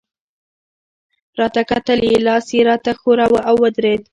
راته کتل يې، لاس يې راته ښوراوه، او ودرېد.